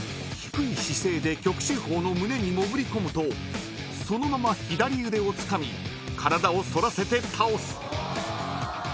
［低い姿勢で旭秀鵬の胸に潜り込むとそのまま左腕をつかみ体を反らせて倒す］